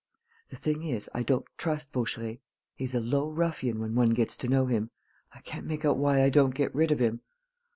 "The thing is, I don't trust Vaucheray: he's a low ruffian when one gets to know him.... I can't make out why I don't get rid of him...."